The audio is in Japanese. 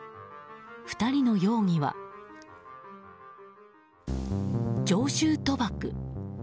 ２人の容疑は、常習賭博。